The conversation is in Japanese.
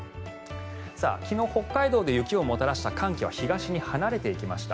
昨日、北海道で雪をもたらした寒気は東に抜けていきました。